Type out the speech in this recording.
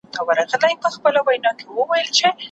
دوې یې توري غټي سترګي وې په سر کي